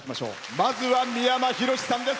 まずは三山ひろしさんです。